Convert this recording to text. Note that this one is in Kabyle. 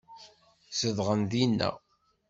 Zedɣen dinna.